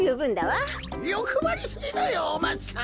よくばりすぎだよお松さん。